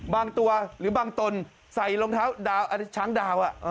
บางตัวหรือบางตนใส่ช้างดาว